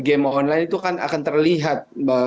game online itu kan akan terlihat